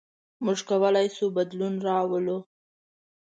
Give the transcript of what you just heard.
موږ کولی شو بدلون راولو.